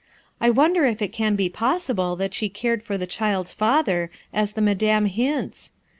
I wonder if it can be possible that she cared for the child's father, as the Madame hints